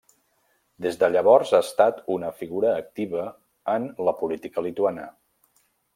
Des de llavors ha estat una figura activa en la política lituana.